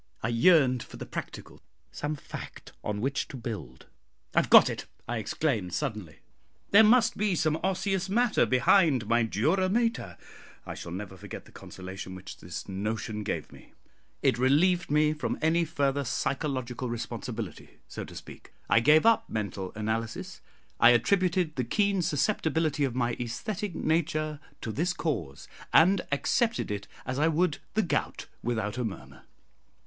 I yearned for the practical some fact on which to build. "I have got it," I exclaimed suddenly. "There must be some osseous matter behind my dura mater!" I shall never forget the consolation which this notion gave me: it relieved me from any further psychological responsibility, so to speak; I gave up mental analysis. I attributed the keen susceptibility of my æsthetic nature to this cause, and accepted it as I would the gout, without a murmur.